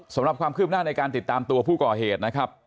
สำหรับความคืบหน้าในการติดตามตัวผู้ก่อเหตุนะครับ